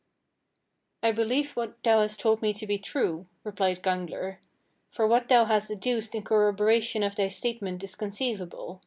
"I believe what thou hast told me to be true," replied Gangler, "for what thou hast adduced in corroboration of thy statement is conceivable.